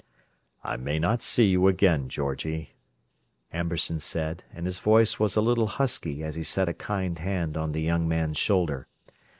"I may not see you again, Georgie," Amberson said; and his voice was a little husky as he set a kind hand on the young man's shoulder.